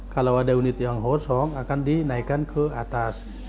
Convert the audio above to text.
kalau ada unit yang kosong akan dinaikkan ke atas